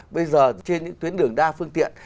bây giờ trên những tuyến đường đa phương tiện